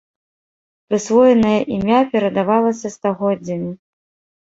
Прысвоенае імя перадавалася стагоддзямі.